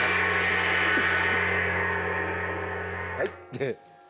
はい。